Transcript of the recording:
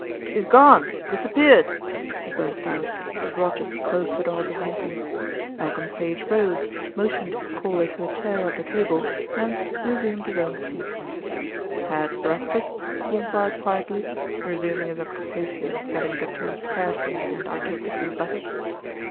"He's gone disappeared!" he burst out, as Rogers closed the door behind him. Malcolm Sage rose, motioned his caller to a chair at the table, and resumed his own seat. "Had breakfast?" he enquired quietly, resuming his occupation of getting the toast carefully and artistically buttered.